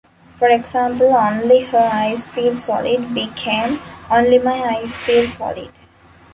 For example, "Only her eyes feel solid" became "Only my eyes feel solid".